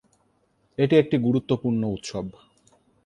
এটি একটি গুরুত্বপূর্ণ উৎসব।